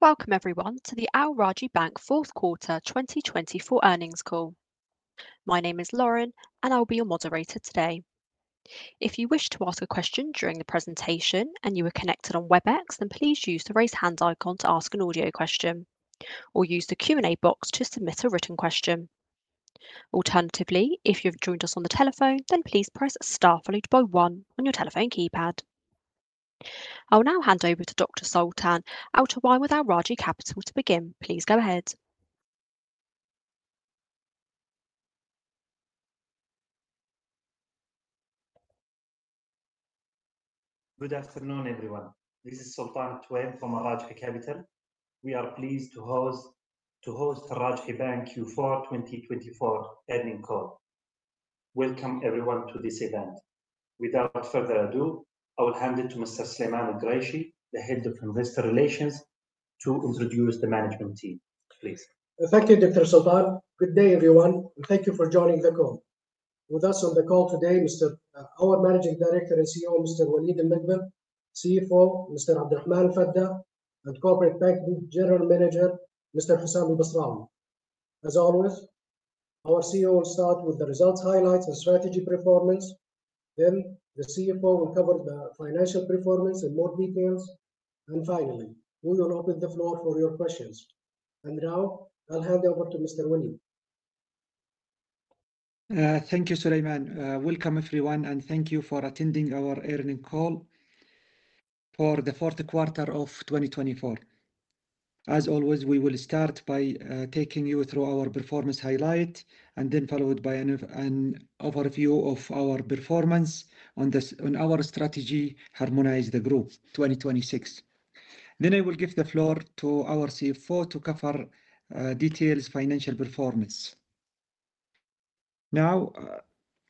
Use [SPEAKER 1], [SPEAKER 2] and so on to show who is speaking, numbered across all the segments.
[SPEAKER 1] Welcome everyone to the Al Rajhi Bank Fourth Quarter 2024 earnings call. My name is Lauren, and I'll be your moderator today. If you wish to ask a question during the presentation and you are connected on Webex, then please use the raise hand icon to ask an audio question, or use the Q&A box to submit a written question. Alternatively, if you've joined us on the telephone, then please press star followed by one on your telephone keypad. I'll now hand over to Sultan Attar with Al Rajhi Capital, to begin. Please go ahead.
[SPEAKER 2] Good afternoon, everyone. This is Sultan Attar from Al Rajhi Capital. We are pleased to host Al Rajhi Bank Q4 2024 earnings call. Welcome everyone to this event. Without further ado, I will hand it to Mr. Sulaiman Al-Quraishi, the Head of Investor Relations, to introduce the management team. Please.
[SPEAKER 3] Thank you, Dr. Sultan. Good day, everyone, and thank you for joining the call. With us on the call today, our Managing Director and CEO, Mr. Waleed Al-Mogbel, CFO, Mr. Abdulrahman Al-Fadda, and Corporate Banking General Manager, Mr. Hossam Al-Basrawi. As always, our CEO will start with the results highlights and strategy performance. Then the CFO will cover the financial performance in more detail, and finally, we will open the floor for your questions, and now I'll hand over to Mr. Waleed.
[SPEAKER 4] Thank you, Sulaiman. Welcome, everyone, and thank you for attending our earnings call for the Fourth Quarter of 2024. As always, we will start by taking you through our performance highlight, and then followed by an overview of our performance on our strategy, Harmonize the Group 2026. Then I will give the floor to our CFO to cover detailed financial performance. Now,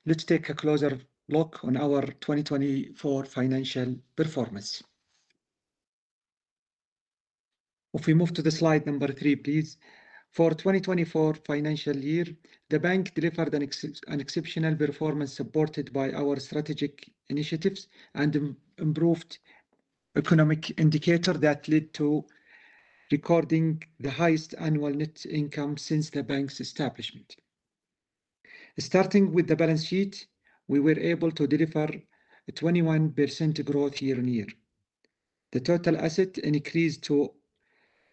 [SPEAKER 4] let's take a closer look on our 2024 financial performance. If we move to the slide number three, please. For the 2024 financial year, the bank delivered an exceptional performance supported by our strategic initiatives and improved economic indicators that led to recording the highest annual net income since the bank's establishment. Starting with the balance sheet, we were able to deliver a 21% growth year on year. The total asset increased to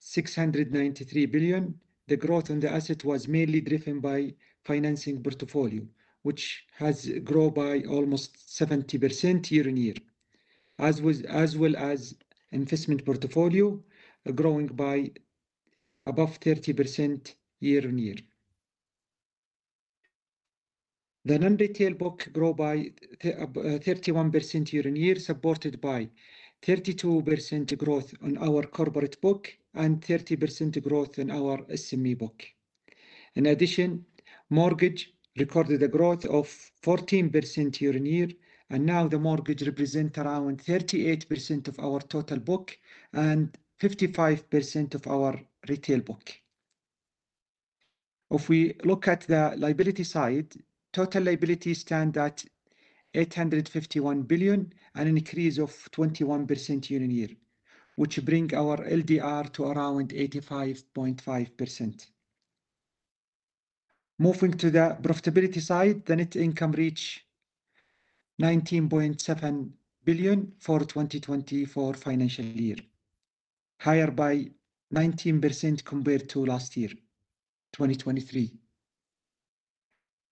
[SPEAKER 4] 693 billion. The growth on the asset was mainly driven by the financing portfolio, which has grown by almost 70% year on year, as well as the investment portfolio growing by above 30% year on year. The non-retail book grew by 31% year on year, supported by 32% growth on our corporate book and 30% growth in our SME book. In addition, mortgage recorded a growth of 14% year on year, and now the mortgage represents around 38% of our total book and 55% of our retail book. If we look at the liability side, total liabilities stand at 851 billion and an increase of 21% year on year, which brings our LDR to around 85.5%. Moving to the profitability side, the net income reached 19.7 billion for the 2024 financial year, higher by 19% compared to last year, 2023.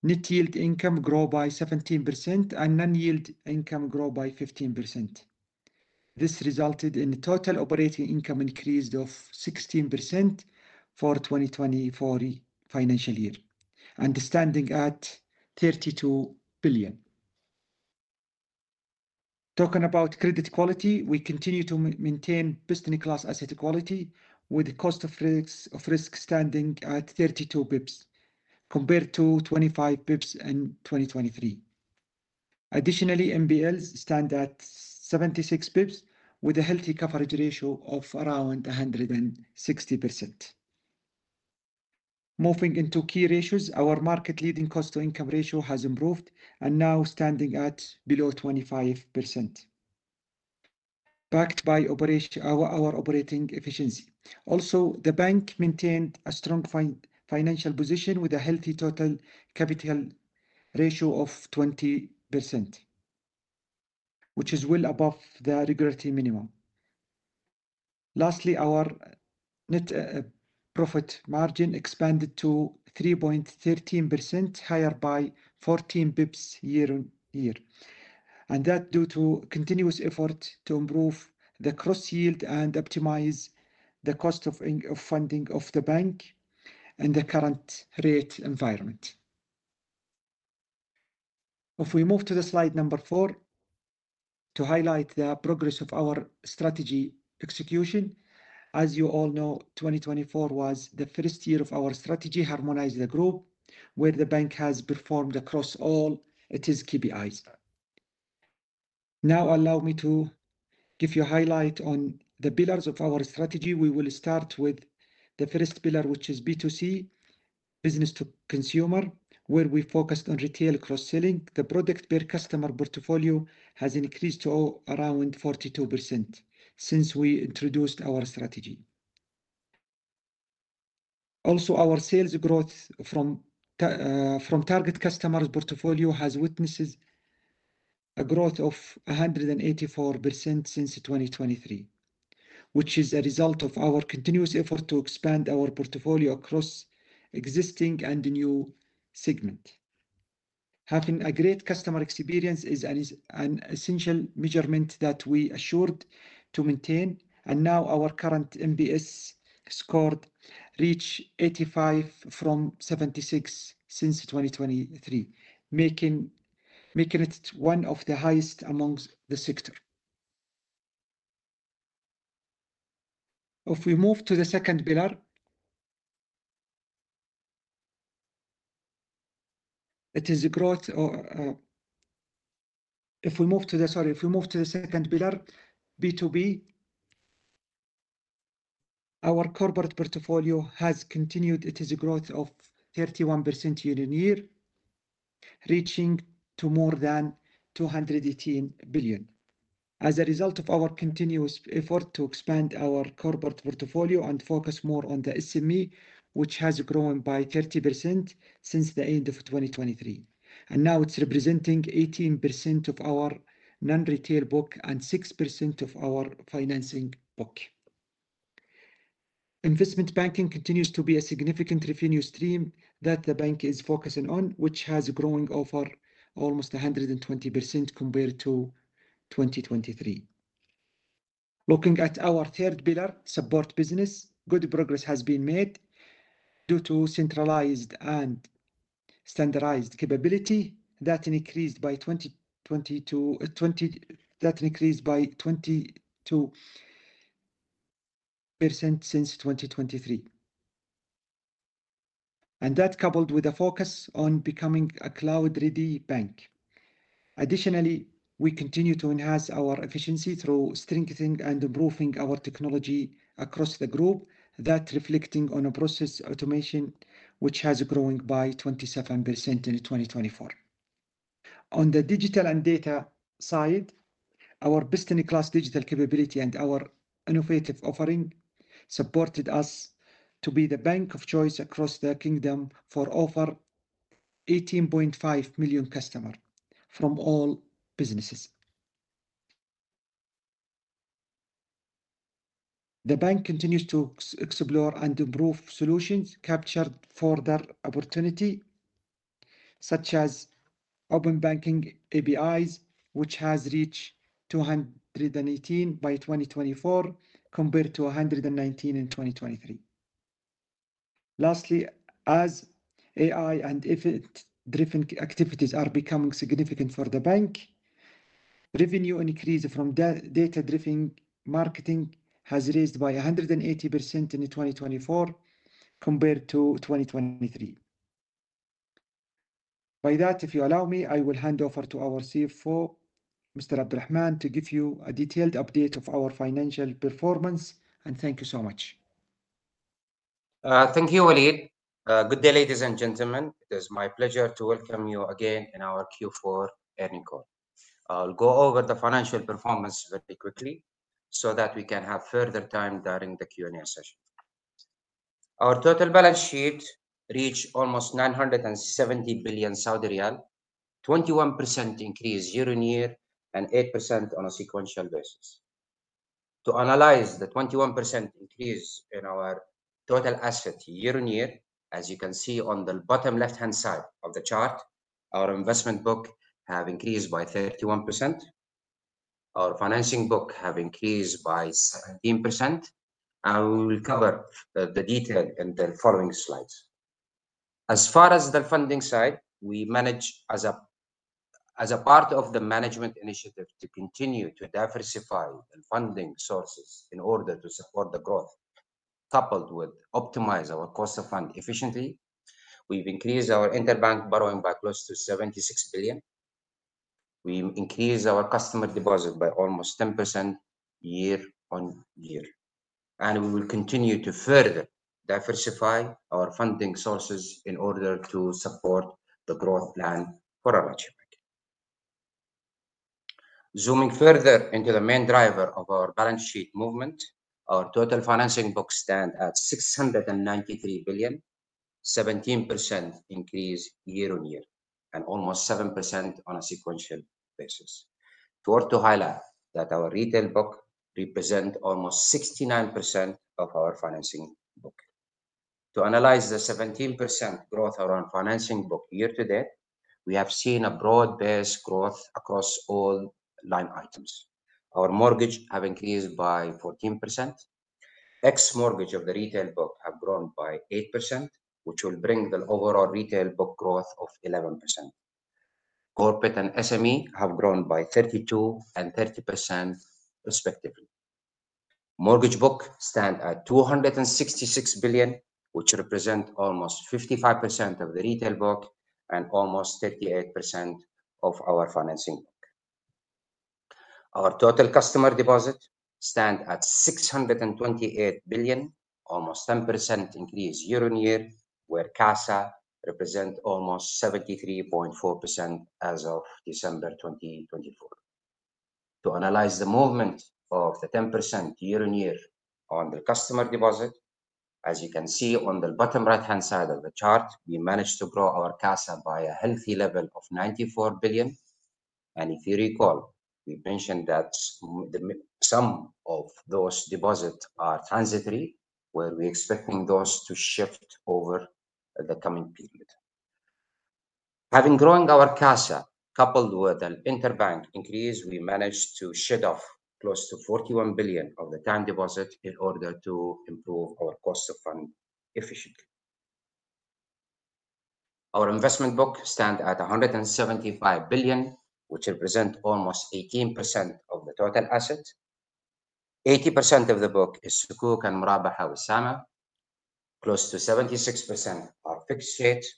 [SPEAKER 4] Net yield income grew by 17%, and non-yield income grew by 15%. This resulted in a total operating income increase of 16% for the 2024 financial year, and standing at 32 billion. Talking about credit quality, we continue to maintain best-in-class asset quality with a cost of risk standing at 32 bps compared to 25 bps in 2023. Additionally, NPLs stand at 76 bps with a healthy coverage ratio of around 160%. Moving into key ratios, our market-leading cost-to-income ratio has improved and now standing at below 25%, backed by our operating efficiency. Also, the bank maintained a strong financial position with a healthy total capital ratio of 20%, which is well above the regulatory minimum. Lastly, our net profit margin expanded to 3.13%, higher by 14 bps year on year, and that is due to continuous efforts to improve the gross yield and optimize the cost of funding of the bank in the current rate environment. If we move to the slide number four to highlight the progress of our strategy execution, as you all know, 2024 was the first year of our strategy, Harmonize the Group, where the bank has performed across all its KPIs. Now, allow me to give you a highlight on the pillars of our strategy. We will start with the first pillar, which is B2C, business-to-consumer, where we focused on retail cross-selling. The product-per-customer portfolio has increased to around 42% since we introduced our strategy. Also, our sales growth from target customers' portfolio has witnessed a growth of 184% since 2023, which is a result of our continuous effort to expand our portfolio across existing and new segments. Having a great customer experience is an essential measurement that we assured to maintain, and now our current NPS score reached 85 from 76 since 2023, making it one of the highest among the sector. If we move to the second pillar, it is a growth. If we move to the, sorry, if we move to the second pillar, B2B, our corporate portfolio has continued its growth of 31% year on year, reaching more than 218 billion. As a result of our continuous effort to expand our corporate portfolio and focus more on the SME, which has grown by 30% since the end of 2023, and now it's representing 18% of our non-retail book and 6% of our financing book. Investment banking continues to be a significant revenue stream that the bank is focusing on, which has grown over almost 120% compared to 2023. Looking at our third pillar, Support Business, good progress has been made due to centralized and standardized capability that increased by 2022, that increased by 22% since 2023, and that coupled with a focus on becoming a cloud-ready bank. Additionally, we continue to enhance our efficiency through strengthening and improving our technology across the group, that reflecting on process automation, which has grown by 27% in 2024. On the digital and data side, our best-in-class digital capability and our innovative offering supported us to be the bank of choice across the kingdom for over 18.5 million customers from all businesses. The bank continues to explore and improve solutions captured for the opportunity, such as open banking APIs, which has reached 218 by 2024 compared to 119 in 2023. Lastly, as AI and effort-driven activities are becoming significant for the bank, revenue increase from data-driven marketing has raised by 180% in 2024 compared to 2023. By that, if you allow me, I will hand over to our CFO, Mr. Abdulrahman, to give you a detailed update of our financial performance, and thank you so much.
[SPEAKER 5] Thank you, Waleed. Good day, ladies and gentlemen. It is my pleasure to welcome you again in our Q4 earnings call. I'll go over the financial performance very quickly so that we can have further time during the Q&A session. Our total balance sheet reached almost 970 billion Saudi riyal, 21% increase year on year and 8% on a sequential basis. To analyze the 21% increase in our total asset year on year, as you can see on the bottom left-hand side of the chart, our investment book has increased by 31%. Our financing book has increased by 17%. I will cover the detail in the following slides. As far as the funding side, we manage as a part of the management initiative to continue to diversify funding sources in order to support the growth, coupled with optimizing our cost of fund efficiently. We've increased our interbank borrowing by close to 76 billion. We increased our customer deposit by almost 10% year on year, and we will continue to further diversify our funding sources in order to support the growth plan for Al Rajhi Bank. Zooming further into the main driver of our balance sheet movement, our total financing book stands at 693 billion, 17% increase year on year, and almost 7% on a sequential basis. It's worth to highlight that our retail book represents almost 69% of our financing book. To analyze the 17% growth around financing book year to date, we have seen a broad-based growth across all line items. Our mortgage has increased by 14%. Ex-mortgage of the retail book has grown by 8%, which will bring the overall retail book growth of 11%. Corporate and SME have grown by 32% and 30%, respectively. Mortgage book stands at 266 billion, which represents almost 55% of the retail book and almost 38% of our financing book. Our total customer deposit stands at 628 billion, almost 10% increase year on year, where CASA represents almost 73.4% as of December 2024. To analyze the movement of the 10% year on year on the customer deposit, as you can see on the bottom right-hand side of the chart, we managed to grow our CASA by a healthy level of 94 billion. And if you recall, we mentioned that some of those deposits are transitory, where we are expecting those to shift over the coming period. Having grown our CASA coupled with an interbank increase, we managed to shed off close to 41 billion of the time deposit in order to improve our cost of funds efficiency. Our investment book stands at 175 billion, which represents almost 18% of the total assets. 80% of the book is Sukuk and Murabaha. Close to 76% are fixed rates.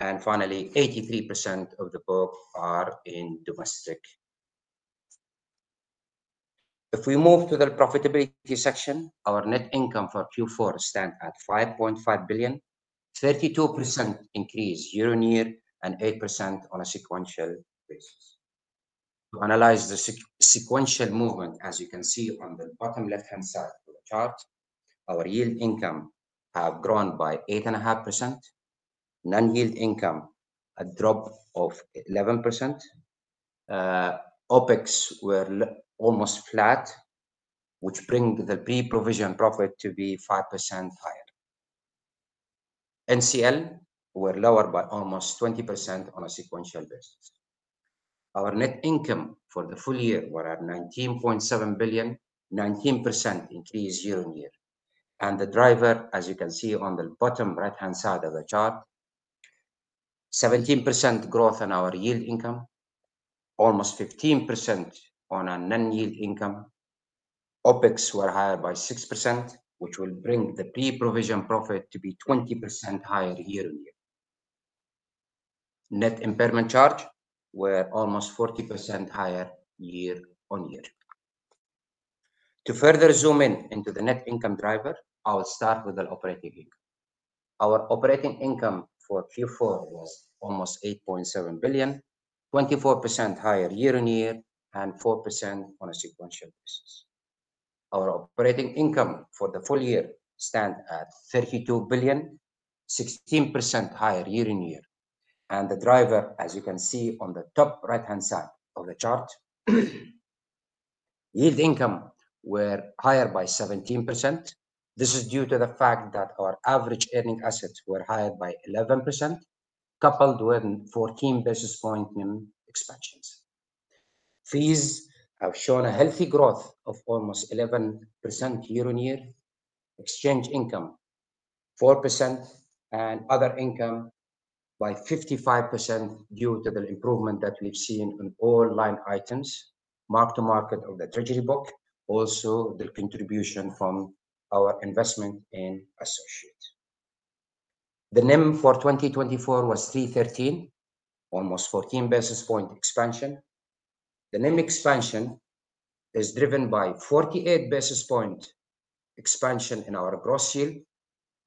[SPEAKER 5] And finally, 83% of the book are in domestic. If we move to the profitability section, our net income for Q4 stands at 5.5 billion, 32% increase year on year and 8% on a sequential basis. To analyze the sequential movement, as you can see on the bottom left-hand side of the chart, our yield income has grown by 8.5%. Non-yield income, a drop of 11%. OpEx were almost flat, which brings the pre-provision profit to be 5% higher. ECL were lower by almost 20% on a sequential basis. Our net income for the full year was 19.7 billion, 19% increase year on year. The driver, as you can see on the bottom right-hand side of the chart, 17% growth in our yield income, almost 15% on a non-yield income. OpEx were higher by 6%, which will bring the pre-provision profit to be 20% higher year on year. Net impairment charge was almost 40% higher year on year. To further zoom in into the net income driver, I'll start with the operating income. Our operating income for Q4 was almost 8.7 billion, 24% higher year on year and 4% on a sequential basis. Our operating income for the full year stands at 32 billion, 16% higher year on year. The driver, as you can see on the top right-hand side of the chart, yield income was higher by 17%. This is due to the fact that our average earning assets were higher by 11%, coupled with 14 basis points expansions. Fees have shown a healthy growth of almost 11% year on year. Exchange income 4% and other income by 55% due to the improvement that we've seen in all line items, mark to market of the treasury book, also the contribution from our investment in associates. The NIM for 2024 was 313, almost 14 basis point expansion. The NIM expansion is driven by 48 basis point expansion in our gross yield,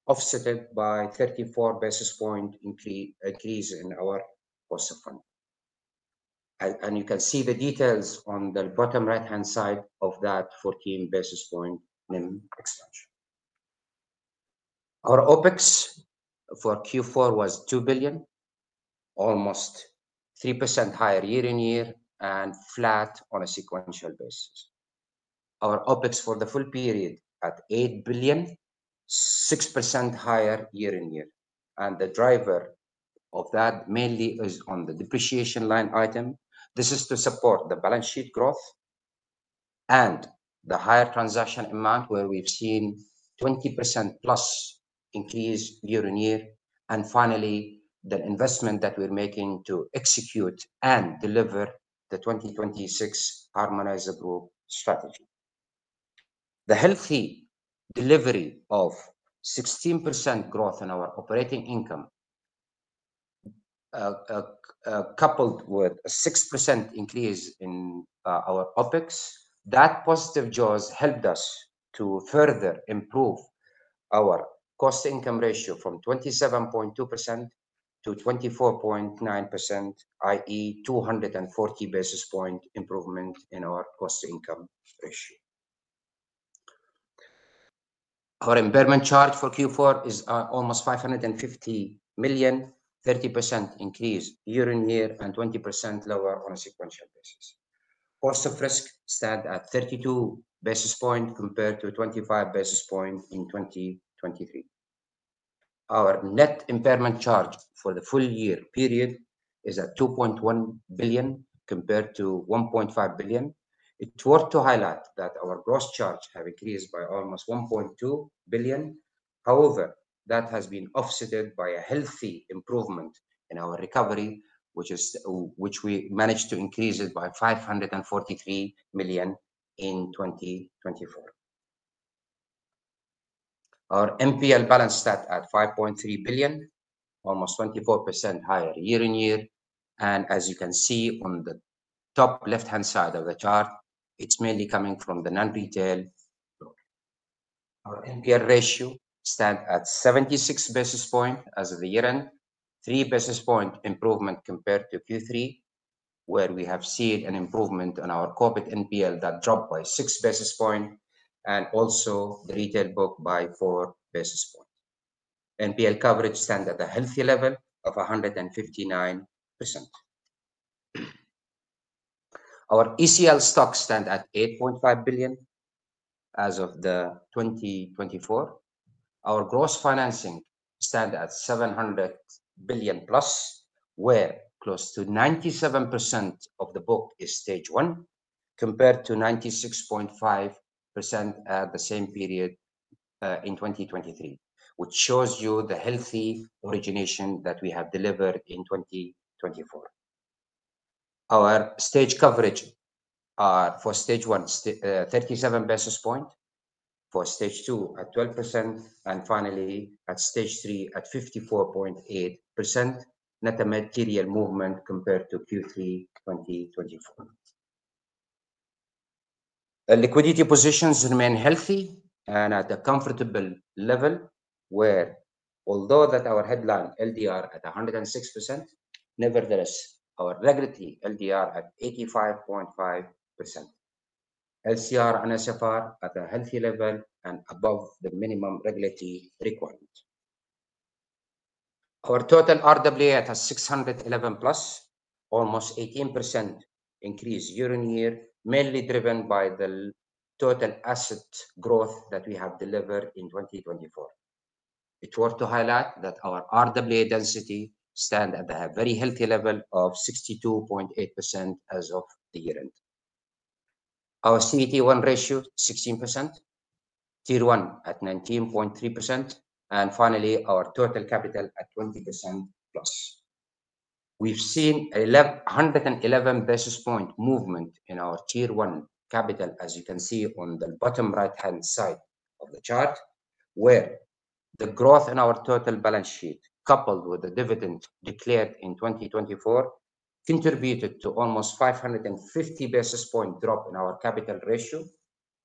[SPEAKER 5] offset by 34 basis point increase in our cost of fund. And you can see the details on the bottom right-hand side of that 14 basis point NIM expansion. Our OpEx for Q4 was 2 billion, almost 3% higher year on year and flat on a sequential basis. Our OpEx for the full period at 8 billion, 6% higher year on year. And the driver of that mainly is on the depreciation line item. This is to support the balance sheet growth and the higher transaction amount, where we've seen 20% plus increase year on year, and finally, the investment that we're making to execute and deliver the Harmonize the Group 2026 strategy. The healthy delivery of 16% growth in our operating income, coupled with a 6% increase in our OpEx, that positive jaws helped us to further improve our cost-to-income ratio from 27.2% to 24.9%, i.e., 240 basis point improvement in our cost-to-income ratio. Our impairment charge for Q4 is almost 550 million, 30% increase year on year and 20% lower on a sequential basis. Cost of risk stands at 32 basis point compared to 25 basis point in 2023. Our net impairment charge for the full year period is at 2.1 billion compared to 1.5 billion. It's worth to highlight that our gross charge has increased by almost 1.2 billion. However, that has been offset by a healthy improvement in our recovery, which we managed to increase it by 543 million in 2024. Our NPL balance stands at 5.3 billion, almost 24% higher year on year, and as you can see on the top left-hand side of the chart, it's mainly coming from the non-retail. Our NPL ratio stands at 76 basis points as of the year, and 3 basis points improvement compared to Q3, where we have seen an improvement in our corporate NPL that dropped by 6 basis points and also the retail book by 4 basis points. NPL coverage stands at a healthy level of 159%. Our ECL stock stands at 8.5 billion as of 2024. Our gross financing stands at 700 billion plus, where close to 97% of the book is stage one compared to 96.5% at the same period in 2023, which shows you the healthy origination that we have delivered in 2024. Our stage coverage for stage one, 37 basis point, for stage two, at 12%, and finally at stage three, at 54.8%, no net material movement compared to Q3 2024. The liquidity positions remain healthy and at a comfortable level, where although our headline LDR at 106%, nevertheless, our regulatory LDR at 85.5%. LCR and NSFR at a healthy level and above the minimum regulatory requirement. Our total RWA at 611 billion plus, almost 18% increase year on year, mainly driven by the total asset growth that we have delivered in 2024. It's worth to highlight that our RWA density stands at a very healthy level of 62.8% as of the year end. Our CET1 ratio is 16%, Tier 1 at 19.3%, and finally, our total capital at 20% plus. We've seen 111 basis point movement in our Tier 1 capital, as you can see on the bottom right-hand side of the chart, where the growth in our total balance sheet, coupled with the dividend declared in 2024, contributed to almost 550 basis point drop in our capital ratio.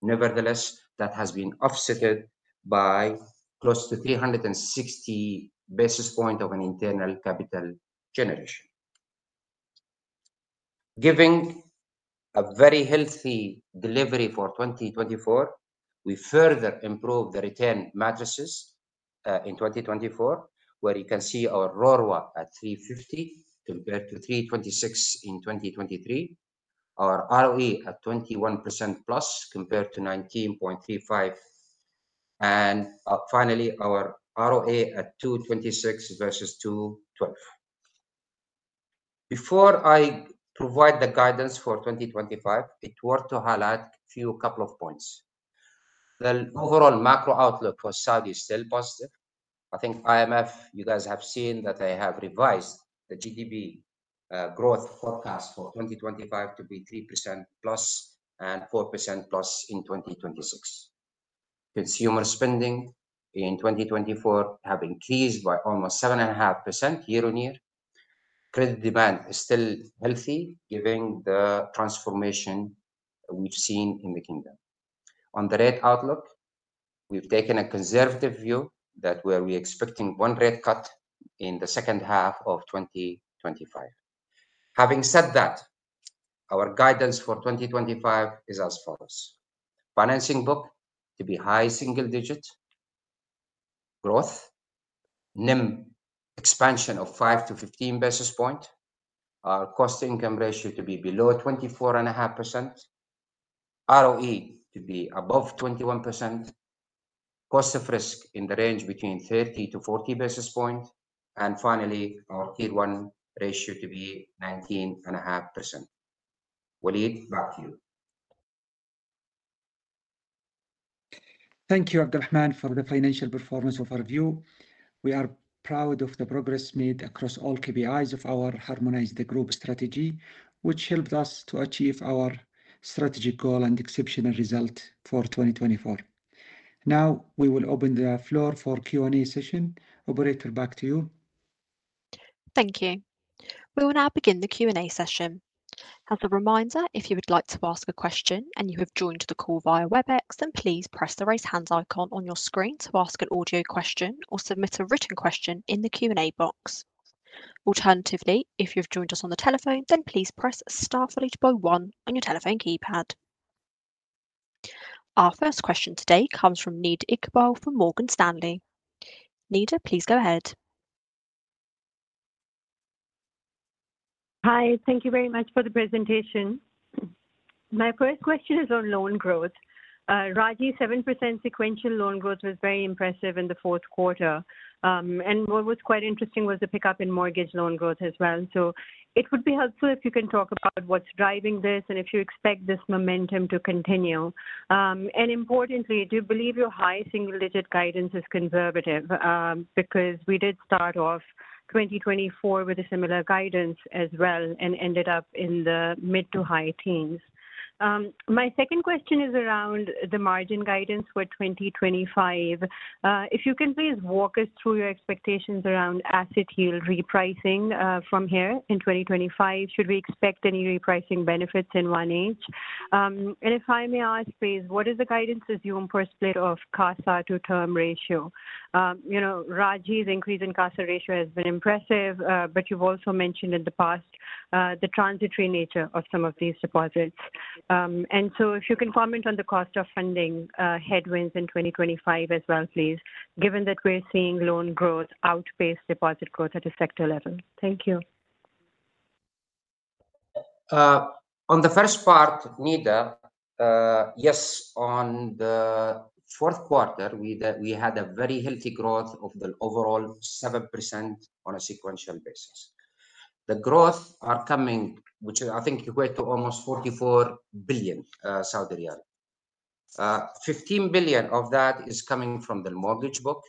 [SPEAKER 5] Nevertheless, that has been offset by close to 360 basis point of an internal capital generation. Giving a very healthy delivery for 2024, we further improved the return metrics in 2024, where you can see our RORWA at 350 compared to 326 in 2023, our ROE at 21% plus compared to 19.35%, and finally, our ROA at 226 versus 212. Before I provide the guidance for 2025, it's worth to highlight a few couple of points. The overall macro outlook for Saudi is still positive. I think IMF, you guys have seen that I have revised the GDP growth forecast for 2025 to be 3% plus and 4% plus in 2026. Consumer spending in 2024 has increased by almost 7.5% year on year. Credit demand is still healthy, giving the transformation we've seen in the kingdom. On the rate outlook, we've taken a conservative view that we're expecting one rate cut in the second half of 2025. Having said that, our guidance for 2025 is as follows: Financing book to be high single-digit growth, NIM expansion of 5 to 15 basis point, our cost to income ratio to be below 24.5%, ROE to be above 21%, cost of risk in the range between 30 to 40 basis point, and finally, our Tier 1 ratio to be 19.5%. Waleed, back to you.
[SPEAKER 2] Thank you, Abdulrahman, for the financial performance overview. We are proud of the progress made across all KPIs of our Harmonize the Group strategy, which helped us to achieve our strategic goal and exceptional result for 2024. Now, we will open the floor for Q&A session. Operator, back to you.
[SPEAKER 1] Thank you. We will now begin the Q&A session. As a reminder, if you would like to ask a question and you have joined the call via Webex, then please press the raise hands icon on your screen to ask an audio question or submit a written question in the Q&A box. Alternatively, if you've joined us on the telephone, then please press star followed by one on your telephone keypad. Our first question today comes from Nida Iqbal from Morgan Stanley. Nida, please go ahead.
[SPEAKER 6] Hi, thank you very much for the presentation. My first question is on loan growth. Al Rajhi, 7% sequential loan growth was very impressive in the fourth quarter, and what was quite interesting was the pickup in mortgage loan growth as well, so it would be helpful if you can talk about what's driving this and if you expect this momentum to continue, and importantly, do you believe your high single-digit guidance is conservative? Because we did start off 2024 with a similar guidance as well and ended up in the mid- to high-teens. My second question is around the margin guidance for 2025. If you can please walk us through your expectations around asset yield repricing from here in 2025, should we expect any repricing benefits in 1H? And if I may ask, please, what does the guidance assume for a split of CASA to term ratio? Rajhi's increase in CASA ratio has been impressive, but you've also mentioned in the past the transitory nature of some of these deposits. And so if you can comment on the cost of funding headwinds in 2025 as well, please, given that we're seeing loan growth outpace deposit growth at a sector level. Thank you.
[SPEAKER 5] On the first part, Nida, yes, on the fourth quarter, we had a very healthy growth of the overall 7% on a sequential basis. The growth is coming, which I think equates to almost 44 billion Saudi riyal. 15 billion of that is coming from the mortgage book,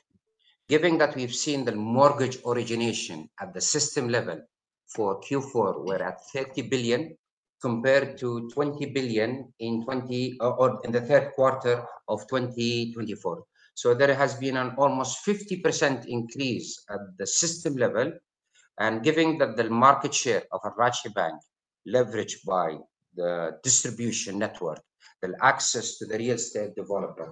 [SPEAKER 5] given that we've seen the mortgage origination at the system level for Q4, we're at 30 billion compared to 20 billion in the third quarter of 2024. So there has been an almost 50% increase at the system level. And given that the market share of Al Rajhi Bank leveraged by the distribution network, the access to the real estate developer,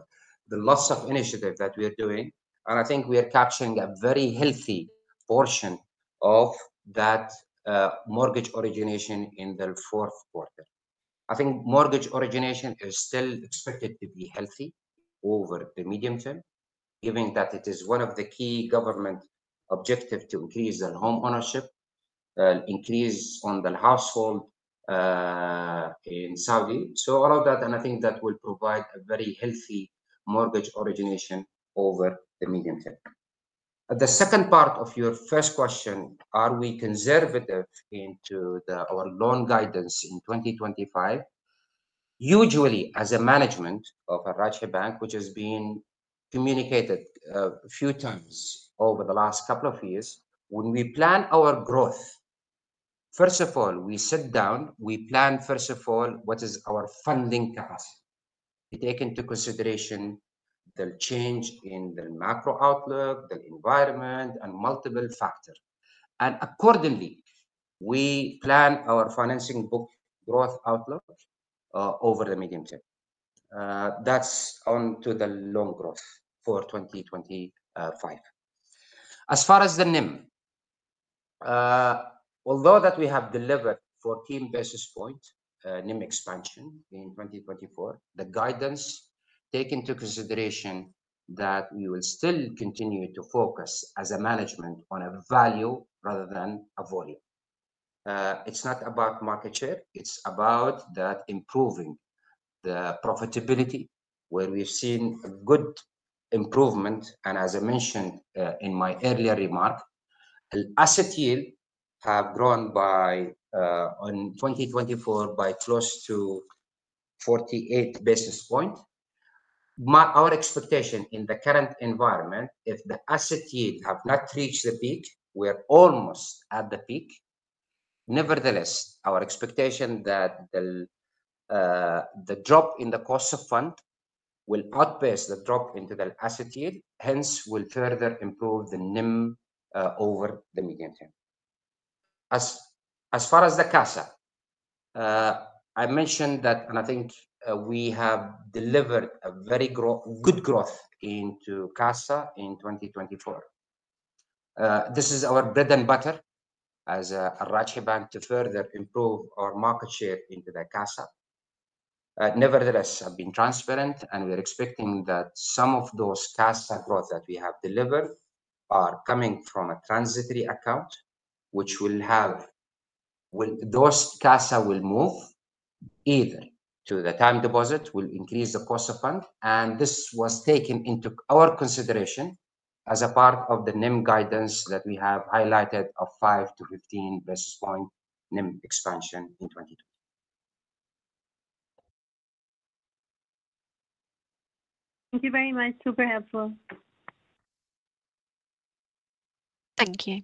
[SPEAKER 5] the lots of initiatives that we are doing, and I think we are capturing a very healthy portion of that mortgage origination in the fourth quarter. I think mortgage origination is still expected to be healthy over the medium term, given that it is one of the key government objectives to increase the home ownership, increase on the household in Saudi. So all of that, and I think that will provide a very healthy mortgage origination over the medium term. The second part of your first question, are we conservative into our loan guidance in 2025? Usually, as a management of Al Rajhi Bank, which has been communicated a few times over the last couple of years, when we plan our growth, first of all, we sit down, we plan, first of all, what is our funding capacity. We take into consideration the change in the macro outlook, the environment, and multiple factors, and accordingly, we plan our financing book growth outlook over the medium term. That's onto the loan growth for 2025. As far as the NIM, although that we have delivered 14 basis point NIM expansion in 2024, the guidance takes into consideration that we will still continue to focus as a management on a value rather than a volume. It's not about market share. It's about improving the profitability, where we've seen good improvement. And as I mentioned in my earlier remark, asset yield has grown by in 2024 by close to 48 basis points. Our expectation in the current environment, if the asset yield has not reached the peak, we're almost at the peak. Nevertheless, our expectation that the drop in the cost of fund will outpace the drop into the asset yield, hence will further improve the NIM over the medium term. As far as the CASA, I mentioned that, and I think we have delivered a very good growth into CASA in 2024. This is our bread and butter as Al Rajhi Bank to further improve our market share into the CASA. Nevertheless, I've been transparent, and we're expecting that some of those CASA growth that we have delivered are coming from a transitory account, which will have those CASA will move either to the time deposit, will increase the cost of fund, and this was taken into our consideration as a part of the NIM guidance that we have highlighted of 5-15 basis point NIM expansion in 2025.
[SPEAKER 6] Thank you very much. Super helpful.
[SPEAKER 1] Thank you.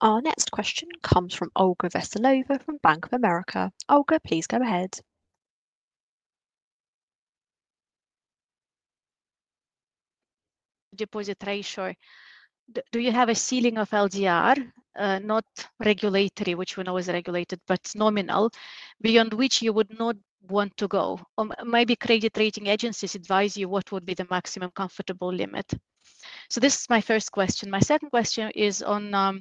[SPEAKER 1] Our next question comes from Olga Veselova from Bank of America. Olga, please go ahead.
[SPEAKER 7] Deposit ratio, do you have a ceiling of LDR, not regulatory, which we know is regulated, but nominal, beyond which you would not want to go? Or maybe credit rating agencies advise you what would be the maximum comfortable limit? So this is my first question. My second question is on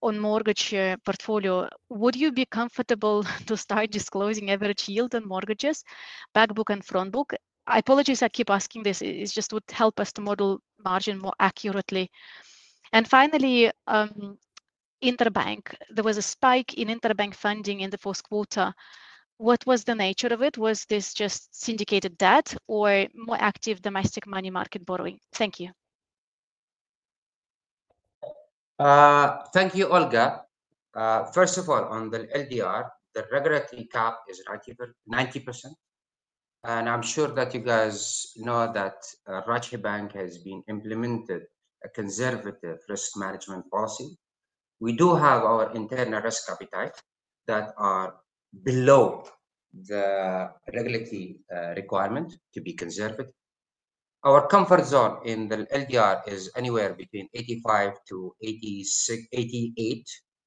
[SPEAKER 7] mortgage portfolio. Would you be comfortable to start disclosing average yield on mortgages, backbook and frontbook? I apologize I keep asking this. It just would help us to model margin more accurately. And finally, interbank, there was a spike in interbank funding in the fourth quarter. What was the nature of it? Was this just syndicated debt or more active domestic money market borrowing? Thank you.
[SPEAKER 5] Thank you, Olga. First of all, on the LDR, the regulatory cap is right here, 90%. And I'm sure that you guys know that Al Rajhi Bank has been implemented a conservative risk management policy. We do have our internal risk appetite that are below the regulatory requirement to be conservative. Our comfort zone in the LDR is anywhere between 85% to 88%.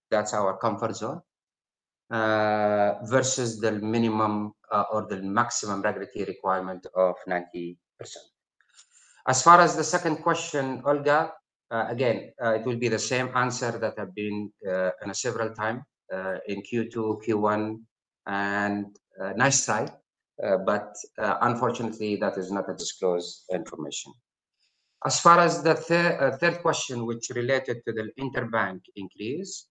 [SPEAKER 5] That's our comfort zone versus the minimum or the maximum regulatory requirement of 90%. As far as the second question, Olga, again, it will be the same answer that I've given several times in Q2, Q1, and this time. But unfortunately, that is not disclosed information. As far as the third question, which relates to the interbank increase,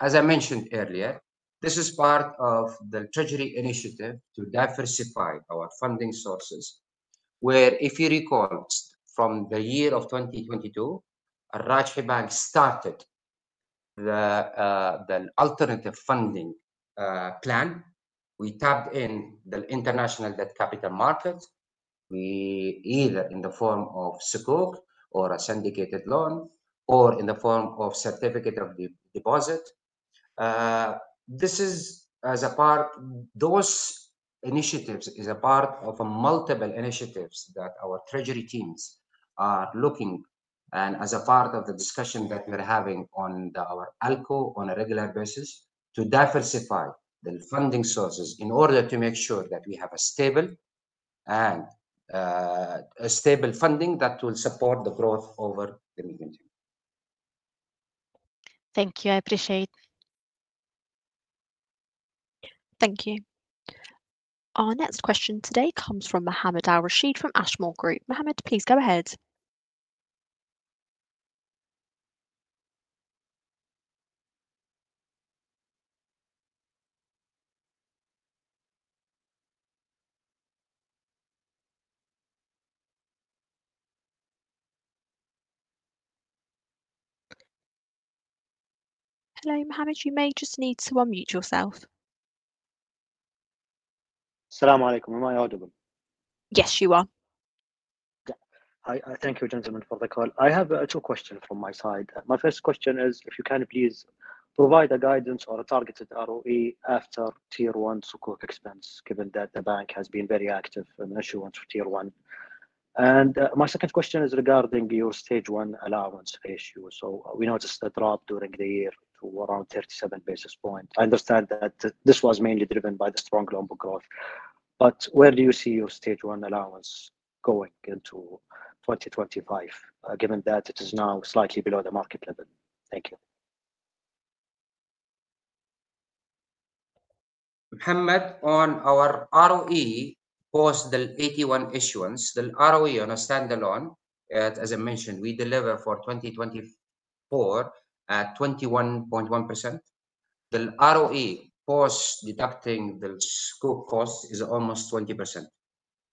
[SPEAKER 5] as I mentioned earlier, this is part of the Treasury initiative to diversify our funding sources, where if you recall from the year 2022, Al Rajhi Bank started the alternative funding plan. We tapped into the international debt capital market, either in the form of Sukuk or a syndicated loan or in the form of certificate of deposit. This is as a part of those initiatives, is a part of multiple initiatives that our Treasury teams are looking at as a part of the discussion that we're having on our ALCO on a regular basis to diversify the funding sources in order to make sure that we have a stable funding that will support the growth over the medium term.
[SPEAKER 7] Thank you. I appreciate it.
[SPEAKER 1] Thank you. Our next question today comes from Mohammed Al-Rashid from Ashmore Group. Mohammed, please go ahead. Hello, Mohammed. You may just need to unmute yourself.
[SPEAKER 8] Assalamualaikum. Am I audible? Yes, you are. Thank you, gentlemen, for the call. I have two questions from my side. My first question is, if you can please provide a guidance or a targeted ROE after Tier 1 Sukuk expense, given that the bank has been very active in the issuance of Tier 1. My second question is regarding your stage one allowance ratio. So we noticed a drop during the year to around 37 basis points. I understand that this was mainly driven by the strong loan book growth. But where do you see your stage one allowance going into 2025, given that it is now slightly below the market level?
[SPEAKER 5] Thank you. Mohammed, on our ROE post the AT1 issuance, the ROE on a standalone, as I mentioned, we deliver for 2024 at 21.1%. The ROE post deducting the Sukuk cost is almost 20%.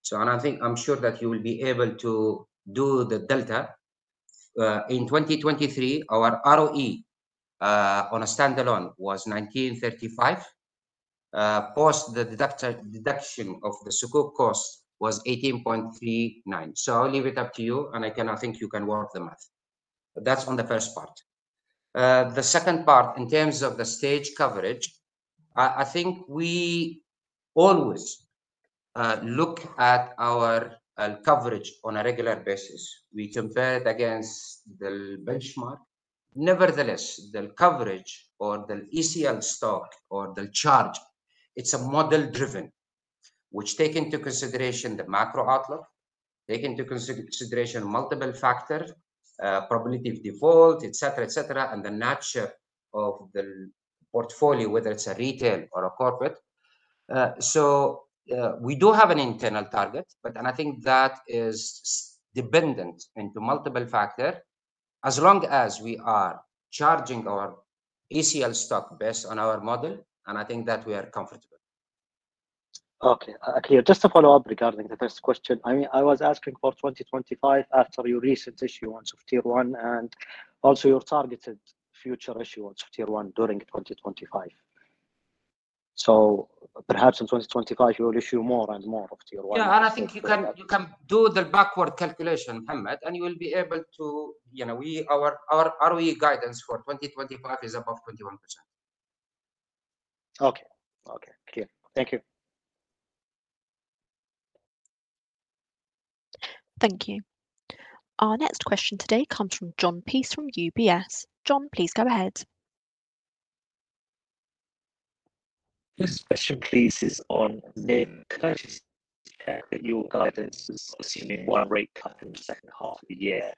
[SPEAKER 5] So I think I'm sure that you will be able to do the delta. In 2023, our ROE on a standalone was 19.35. Post the deduction of the Sukuk cost was 18.39. So I'll leave it up to you, and I think you can work the math. That's on the first part. The second part, in terms of the stage coverage, I think we always look at our coverage on a regular basis. We compare it against the benchmark. Nevertheless, the coverage or the ECL stock or the charge, it's a model-driven, which takes into consideration the macro outlook, takes into consideration multiple factors, probability of default, etc., etc., and the nature of the portfolio, whether it's a retail or a corporate. So we do have an internal target, but I think that is dependent into multiple factors as long as we are charging our ECL stock based on our model, and I think that we are comfortable.
[SPEAKER 8] Okay. Just to follow up regarding the first question, I was asking for 2025 after your recent issuance of Tier 1 and also your targeted future issuance of Tier 1 during 2025. So perhaps in 2025, you will issue more and more of Tier 1.
[SPEAKER 5] Yeah. And I think you can do the backward calculation, Mohammed, and you will be able to ROE guidance for 2025 is above 21%.
[SPEAKER 8] Okay. Okay. Clear. Thank you.
[SPEAKER 1] Thank you. Our next question today comes from Jon Peace from UBS. Jon, please go ahead.
[SPEAKER 9] This question, please, is on your guidance assuming one rate cut in the second half of the year.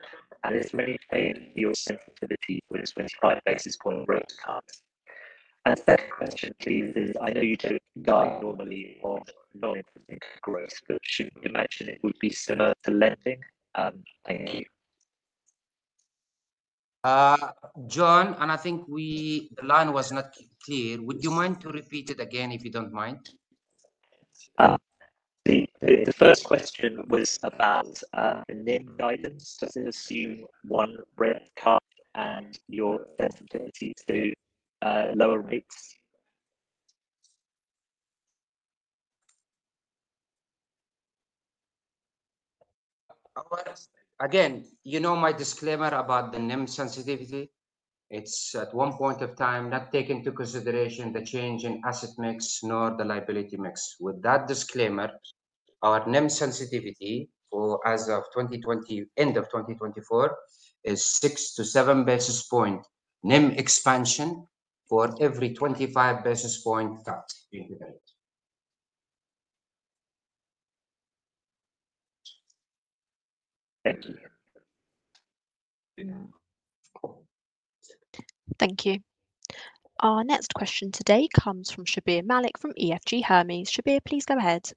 [SPEAKER 9] And it's maintained your sensitivity with 25 basis point rate cuts. And the second question, please, is I know you don't guide normally of loan growth, but should we imagine it would be similar to lending? Thank you.
[SPEAKER 5] Jon, and I think the line was not clear. Would you mind to repeat it again if you don't mind?
[SPEAKER 9] The first question was about the NIM guidance. Does it assume one rate cut and your sensitivity to lower rates?
[SPEAKER 5] Again, you know my disclaimer about the NIM sensitivity. It's at one point of time not taken into consideration the change in asset mix nor the liability mix. With that disclaimer, our NIM sensitivity as of end of 2024 is 6 to 7 basis point NIM expansion for every 25 basis point cut. Thank you.
[SPEAKER 1] Thank you. Our next question today comes from Shabbir Malik from EFG Hermes. Shabir, please go ahead.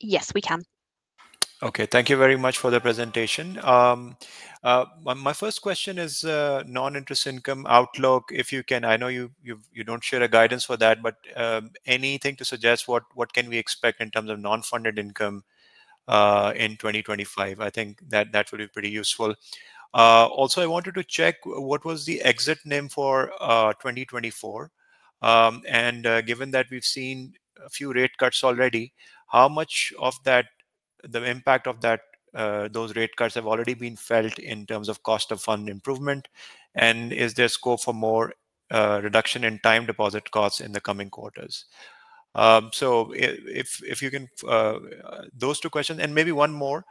[SPEAKER 1] Yes, we can.
[SPEAKER 10] Okay. Thank you very much for the presentation. My first question is non-interest income outlook. If you can, I know you don't share a guidance for that, but anything to suggest what can we expect in terms of non-funded income in 2025? I think that would be pretty useful. Also, I wanted to check what was the exit NIM for 2024. Given that we've seen a few rate cuts already, how much of the impact of those rate cuts have already been felt in terms of cost of fund improvement? Is there scope for more reduction in time deposit costs in the coming quarters? If you can address those two questions and maybe one more.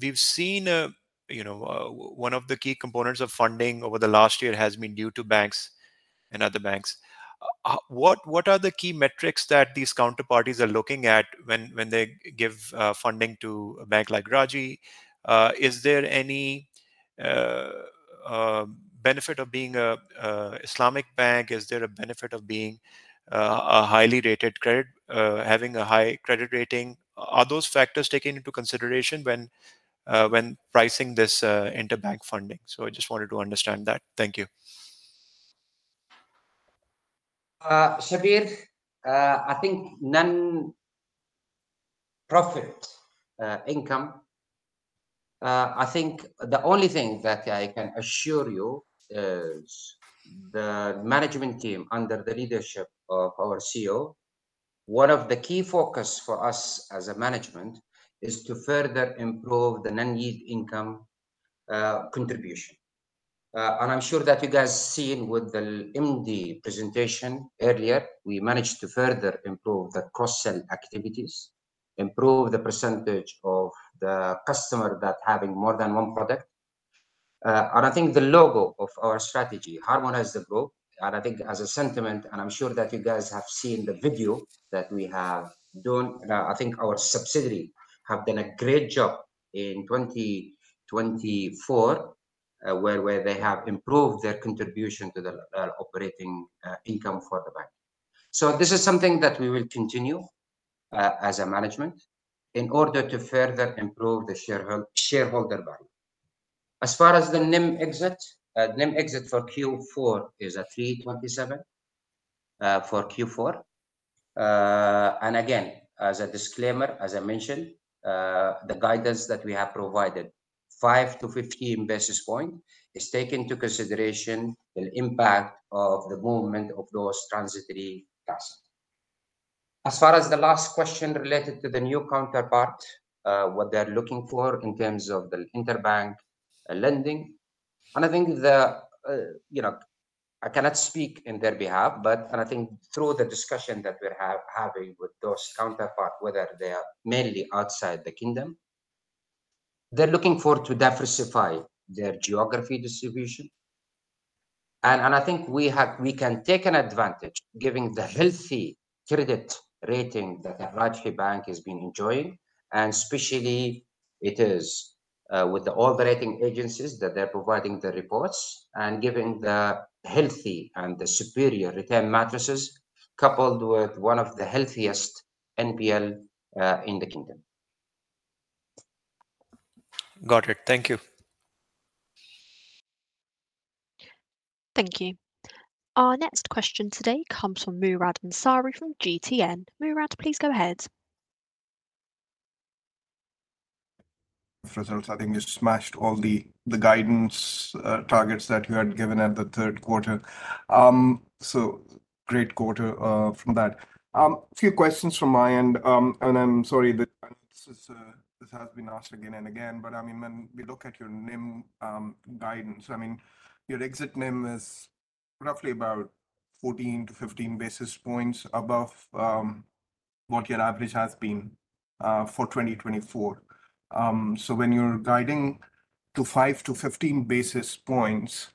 [SPEAKER 10] We've seen one of the key components of funding over the last year has been due to banks and other banks. What are the key metrics that these counterparties are looking at when they give funding to a bank like Rajhi? Is there any benefit of being an Islamic bank? Is there a benefit of being a highly rated credit, having a high credit rating? Are those factors taken into consideration when pricing this interbank funding? I just wanted to understand that. Thank you.
[SPEAKER 5] Shabir, I think non-interest income. I think the only thing that I can assure you is the management team under the leadership of our CEO. One of the key focuses for us as a management is to further improve the non-interest income contribution. And I'm sure that you guys have seen with the MD presentation earlier, we managed to further improve the cross-sell activities, improve the percentage of the customers that is having more than one product. And I think the whole of our strategy, Harmonize the Group, and I think as we mentioned, and I'm sure that you guys have seen the video that we have done. I think our subsidiaries have done a great job in 2024 where they have improved their contribution to the operating income for the bank. So this is something that we will continue as a management in order to further improve the shareholder value. As far as the NIM exit, NIM exit for Q4 is a 327 for Q4. And again, as a disclaimer, as I mentioned, the guidance that we have provided, 5 to 15 basis points, is taken into consideration the impact of the movement of those transitory cash. As far as the last question related to the new counterpart, what they're looking for in terms of the interbank lending, and I think I cannot speak on their behalf, but I think through the discussion that we're having with those counterparts, whether they are mainly outside the Kingdom, they're looking forward to diversify their geographic distribution. And I think we can take an advantage given the healthy credit rating that Al Rajhi Bank has been enjoying, and especially it is with all the rating agencies that they're providing the reports and giving the healthy and the superior return metrics coupled with one of the healthiest NPL in the kingdom.
[SPEAKER 10] Got it. Thank you.
[SPEAKER 1] Thank you. Our next question today comes from Murad Ansari from GTN. Murad, please go ahead.
[SPEAKER 11] Results, I think you smashed all the guidance targets that you had given at the third quarter. So great quarter from that. A few questions from my end, and I'm sorry that this has been asked again and again, but I mean, when we look at your NIM guidance, I mean, your exit NIM is roughly about 14-15 basis points above what your average has been for 2024. When you're guiding to 5 to 15 basis points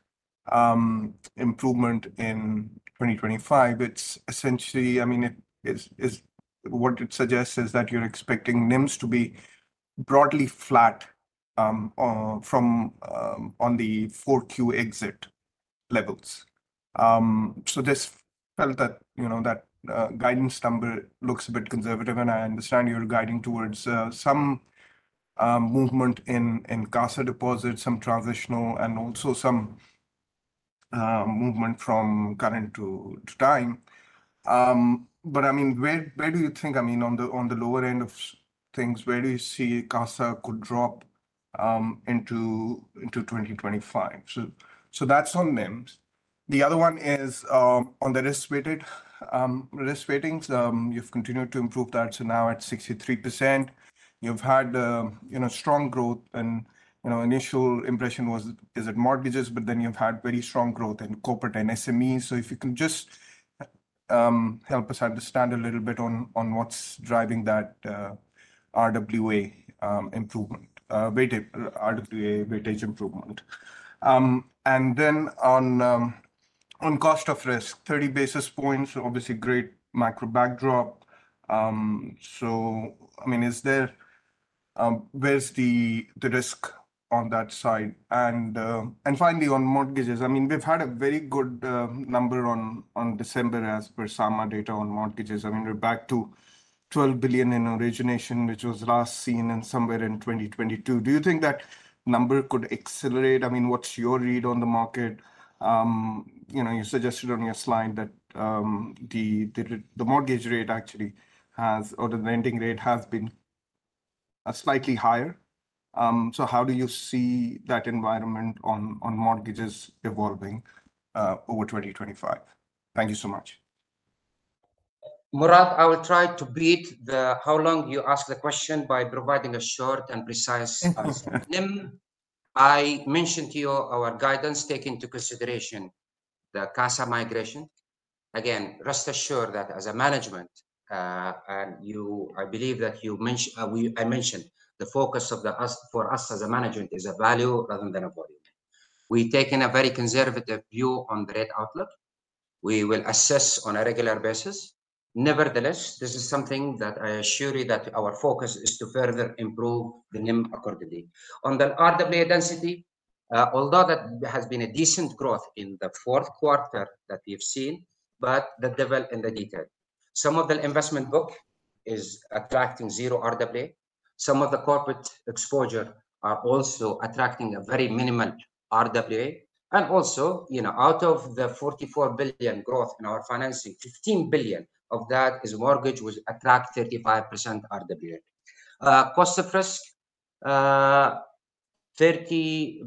[SPEAKER 11] improvement in 2025, it's essentially, I mean, what it suggests is that you're expecting NIMs to be broadly flat from the 4Q exit levels. This felt that guidance number looks a bit conservative, and I understand you're guiding towards some movement in CASA deposits, some transitional, and also some movement from current to time. But I mean, where do you think, I mean, on the lower end of things, where do you see CASA could drop into 2025? That's on NIMs. The other one is on the risk-weighted risk ratings. You've continued to improve that. So now at 63%, you've had strong growth, and initial impression was, is it mortgages, but then you've had very strong growth in corporate and SMEs. So if you can just help us understand a little bit on what's driving that RWA improvement, RWA weightage improvement. And then on cost of risk, 30 basis points, obviously great macro backdrop. So I mean, where's the risk on that side? And finally, on mortgages, I mean, we've had a very good number on December as per SAMA data on mortgages. I mean, we're back to 12 billion in origination, which was last seen in somewhere in 2022. Do you think that number could accelerate? I mean, what's your read on the market? You suggested on your slide that the mortgage rate actually has, or the lending rate has been slightly higher. So how do you see that environment on mortgages evolving over 2025? Thank you so much.
[SPEAKER 5] Murad, I will try to beat the how long you asked the question by providing a short and precise answer. NIM. I mentioned to you our guidance taken into consideration, the CASA migration. Again, rest assured that as a management, and I believe that I mentioned the focus for us as a management is a value rather than a volume. We take in a very conservative view on the rate outlook. We will assess on a regular basis. Nevertheless, this is something that I assure you that our focus is to further improve the NIM accordingly. On the RWA density, although that has been a decent growth in the fourth quarter that we've seen, but the devil in the detail. Some of the investment book is attracting zero RWA. Some of the corporate exposure are also attracting a very minimal RWA. And also, out of the 44 billion growth in our financing, 15 billion of that is mortgage which attracts 35% RWA. Cost of risk, 32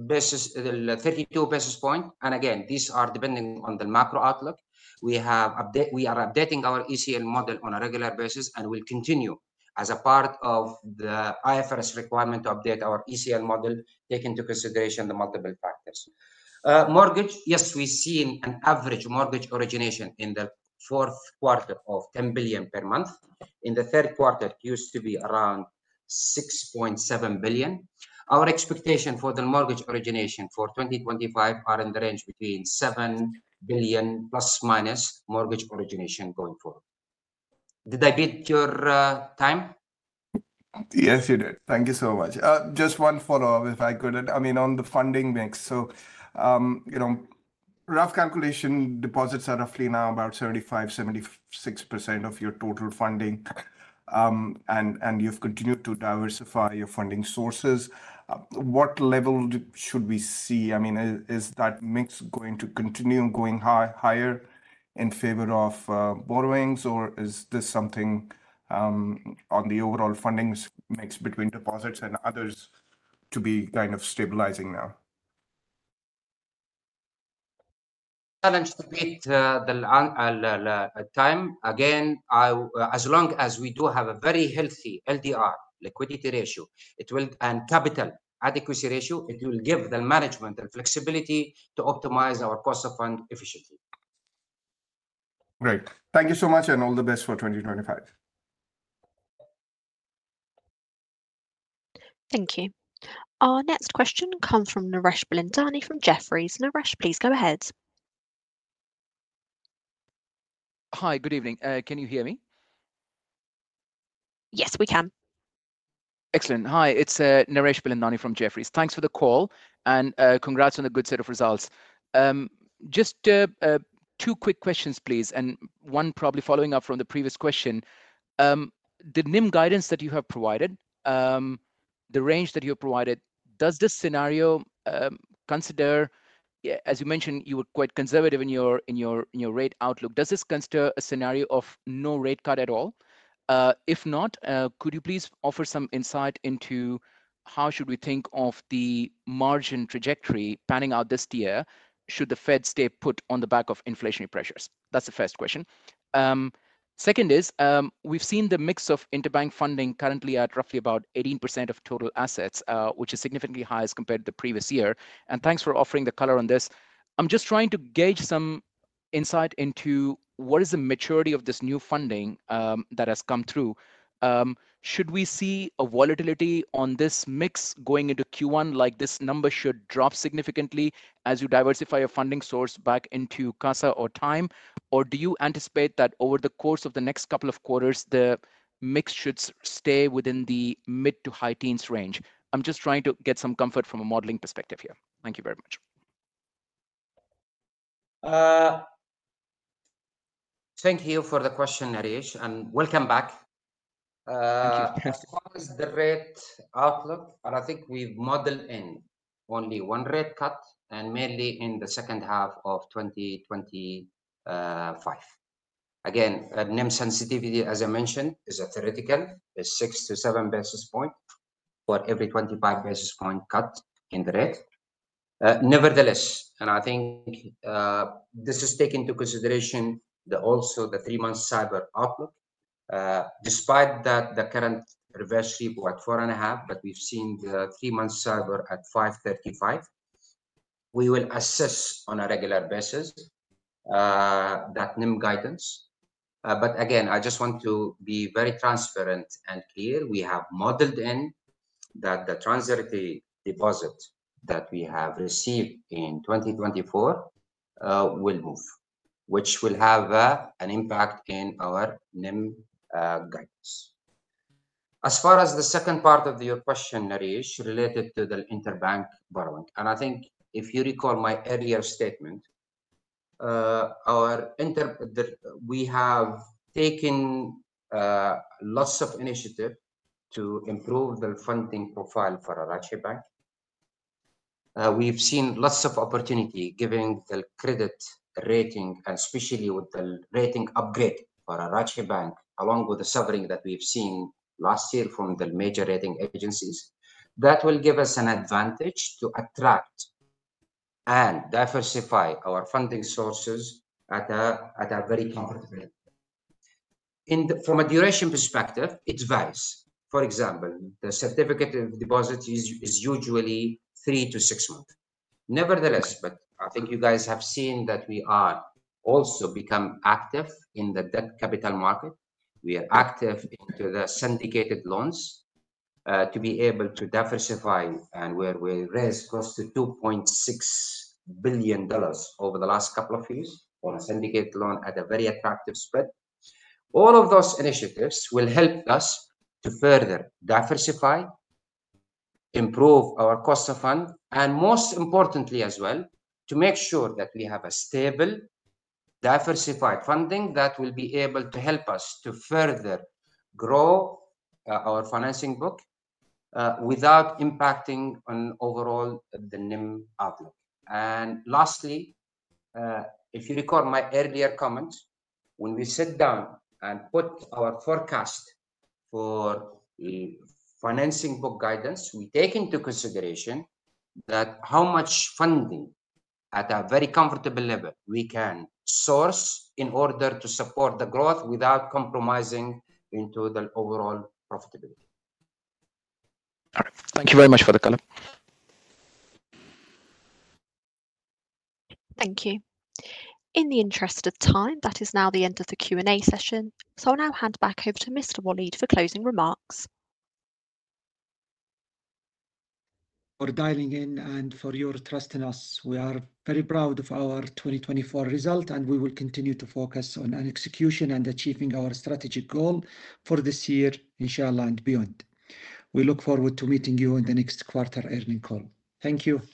[SPEAKER 5] basis points. Again, these are depending on the macro outlook. We are updating our ECL model on a regular basis and will continue as a part of the IFRS requirement to update our ECL model taking into consideration the multiple factors. Mortgage, yes, we've seen an average mortgage origination in the fourth quarter of 10 billion per month. In the third quarter, it used to be around 6.7 billion. Our expectation for the mortgage origination for 2025 is in the range between 7 billion plus minus mortgage origination going forward. Did I beat your time?
[SPEAKER 11] Yes, you did. Thank you so much. Just one follow-up, if I could. I mean, on the funding mix, so rough calculation deposits are roughly now about 75%-76% of your total funding, and you've continued to diversify your funding sources. What level should we see? I mean, is that mix going to continue going higher in favor of borrowings, or is this something on the overall funding mix between deposits and others to be kind of stabilizing now?
[SPEAKER 5] I'll beat the time. Again, as long as we do have a very healthy LDR, liquidity ratio, and capital adequacy ratio, it will give the management the flexibility to optimize our cost of fund efficiently.
[SPEAKER 11] Great. Thank you so much and all the best for 2025.
[SPEAKER 1] Thank you. Our next question comes from Naresh Bilandani from Jefferies. Naresh, please go ahead.
[SPEAKER 12] Hi, good evening. Can you hear me? Yes, we can. Excellent. Hi, it's Naresh Bilandani from Jefferies. Thanks for the call and congrats on a good set of results. Just two quick questions, please, and one probably following up from the previous question. Did NIM guidance that you have provided, the range that you have provided, does this scenario consider, as you mentioned, you were quite conservative in your rate outlook, does this consider a scenario of no rate cut at all? If not, could you please offer some insight into how should we think of the margin trajectory panning out this year? Should the Fed stay put on the back of inflationary pressures? That's the first question. Second is, we've seen the mix of interbank funding currently at roughly about 18% of total assets, which is significantly higher as compared to the previous year. And thanks for offering the color on this. I'm just trying to gauge some insight into what is the maturity of this new funding that has come through. Should we see a volatility on this mix going into Q1, like this number should drop significantly as you diversify your funding source back into CASA or term, or do you anticipate that over the course of the next couple of quarters, the mix should stay within the mid to high teens range? I'm just trying to get some comfort from a modeling perspective here. Thank you very much.
[SPEAKER 5] Thank you for the question, Naresh, and welcome back. As far as the rate outlook, and I think we've modeled in only one rate cut and mainly in the second half of 2025. Again, NIM sensitivity, as I mentioned, is a theoretical, is 6 to 7 basis points for every 25 basis point cut in the rate. Nevertheless, and I think this is taken into consideration, also the three-month SAIBOR outlook, despite that the current repo rate at 4.5, but we've seen the three-month SAIBOR at 5.35. We will assess on a regular basis that NIM guidance. But again, I just want to be very transparent and clear. We have modeled in that the transitory deposit that we have received in 2024 will move, which will have an impact in our NIM guidance. As far as the second part of your question, Naresh, related to the interbank borrowing, and I think if you recall my earlier statement, we have taken lots of initiative to improve the funding profile for Rajhi Bank. We've seen lots of opportunity giving the credit rating, and especially with the rating upgrade for Al Rajhi Bank, along with the suffering that we've seen last year from the major rating agencies, that will give us an advantage to attract and diversify our funding sources at a very comfortable level. From a duration perspective, it's vice. For example, the certificate of deposit is usually three to six months. Nevertheless, but I think you guys have seen that we also become active in the debt capital market. We are active into the syndicated loans to be able to diversify, and where we raised close to $2.6 billion over the last couple of years on a syndicate loan at a very attractive spread. All of those initiatives will help us to further diversify, improve our cost of fund, and most importantly as well, to make sure that we have a stable, diversified funding that will be able to help us to further grow our financing book without impacting on overall the NIM outlook. And lastly, if you recall my earlier comments, when we sit down and put our forecast for financing book guidance, we take into consideration that how much funding at a very comfortable level we can source in order to support the growth without compromising into the overall profitability.
[SPEAKER 12] All right. Thank you very much for the color.
[SPEAKER 1] Thank you. In the interest of time, that is now the end of the Q&A session. So I'll now hand back over to Mr. Waleed for closing remarks.
[SPEAKER 4] For dialing in and for your trust in us. We are very proud of our 2024 results, and we will continue to focus on execution and achieving our strategic goal for this year, inshallah, and beyond. We look forward to meeting you in the next quarter earnings call. Thank you.